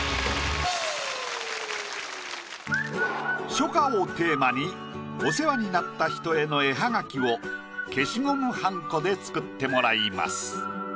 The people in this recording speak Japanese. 「初夏」をテーマにお世話になった人への絵ハガキを消しゴムはんこで作ってもらいます。